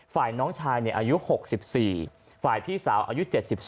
ฝ่ายน้องชายอายุ๖๔ฝ่ายพี่สาวอายุ๗๒